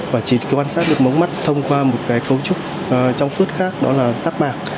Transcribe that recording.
và chỉ quan sát được mống mắt thông qua một cái cấu trúc trong phút khác đó là sắc bạc